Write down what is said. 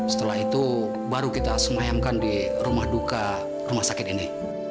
setelah itu baru kita semayamkan di rumah duka rumah sakit ini